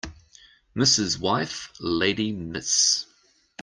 Mrs. wife lady Miss